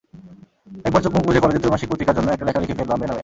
একবার চোখমুখ বুজে কলেজের ত্রৈমাসিক পত্রিকার জন্য একটা লেখা লিখে ফেললাম, বেনামে।